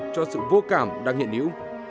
cho sự vô cảm đang hiện nữ